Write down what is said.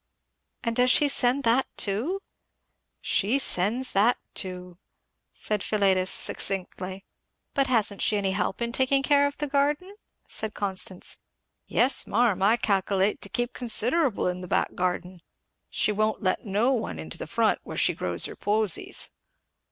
"And does she send that too?" "She sends that teu," said Philetus succinctly. "But hasn't she any help in taking care of the garden?" said Constance. "Yes marm I calculate to help considerable in the back garden she won't let no one into the front where she grows her posies."